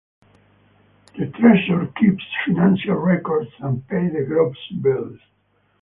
The treasurer keeps financial records and pays the group's bills.